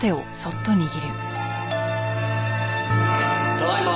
ただいま。